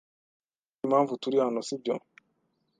Uzi impamvu turi hano, sibyo?